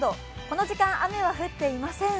この時間、雨は降っていません。